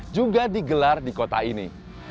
juga digelar di kota ini